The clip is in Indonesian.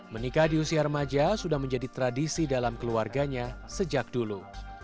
menikah di usia remaja sudah menjadi tradisi dalam keluarganya sejak dulu